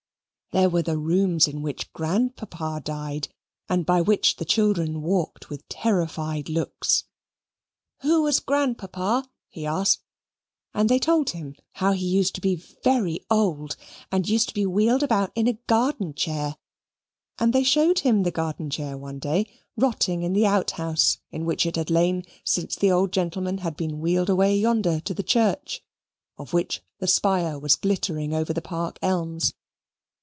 There were the rooms in which Grandpapa died, and by which the children walked with terrified looks. "Who was Grandpapa?" he asked; and they told him how he used to be very old, and used to be wheeled about in a garden chair, and they showed him the garden chair one day rotting in the out house in which it had lain since the old gentleman had been wheeled away yonder to the church, of which the spire was glittering over the park elms.